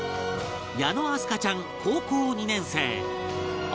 矢野明日香ちゃん高校２年生